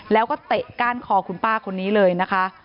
แล้วก็เตะก้านคอคุณป้าคนนี้เลยนะคะ